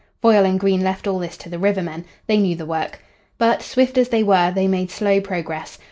Foyle and Green left all this to the river men. They knew the work. But, swift as they were, they made slow progress.